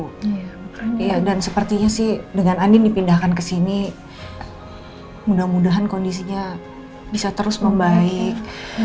iya dan sepertinya sih dengan andin dipindahkan ke sini mudah mudahan kondisinya bisa terus membaik